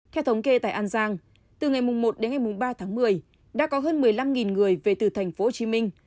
theo thống kê tại an giang từ ngày một đến ngày ba tháng một mươi đã có hơn một mươi năm người về từ thành phố hồ chí minh